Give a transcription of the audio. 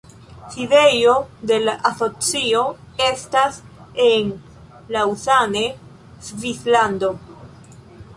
Sidejo de la asocio estas en Lausanne, Svislando.